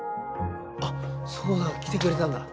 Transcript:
あっそうなの？来てくれたんだ。